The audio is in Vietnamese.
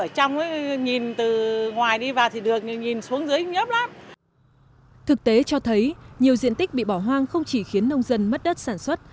thực tế cho thấy nhiều diện tích bị bỏ hoang không chỉ khiến nông dân mất đất sản xuất